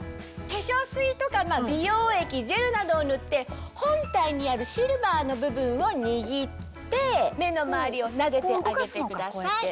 化粧水とか美容液ジェルなどを塗って本体にあるシルバーの部分を握って目の周りをなでてあげてください。